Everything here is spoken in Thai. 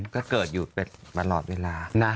ก็เกิดอยู่เป็นประหลอดเวลา